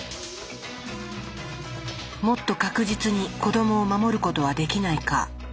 もっと確実に子どもを守ることはできないか。